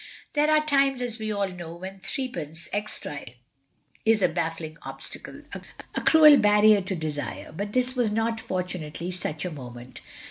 There are times, as we all know, when threepence extra is a baffling obstacle—a cruel barrier to desire, but this was not, fortunately, such a moment.